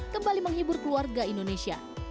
kembali menghibur keluarga indonesia